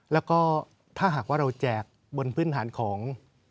แล้วก็ถ้าหากว่าเราแจกบนพื้นฐานของ